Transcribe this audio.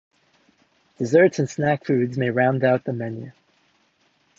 Desserts and snack foods may round out the menu.